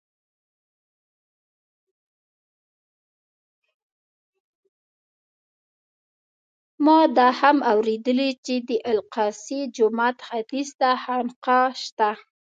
ما دا هم اورېدلي چې د الاقصی جومات ختیځ ته خانقاه شته.